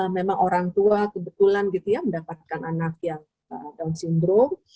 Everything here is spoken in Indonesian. memang orang tua kebetulan gitu ya mendapatkan anak yang down syndrome